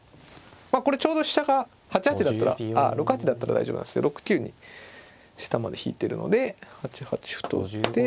これちょうど飛車が６八だったら大丈夫なんですけど６九に下まで引いてるので８八歩と打って。